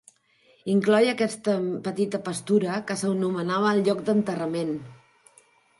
Incloïa aquesta petita pastura que s'anomenava el lloc d'enterrament.